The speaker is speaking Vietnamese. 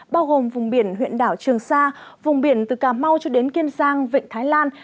bao gồm vùng biển huyện đảo trường sa vùng biển từ cà mau cho đến kiên giang vịnh thái lan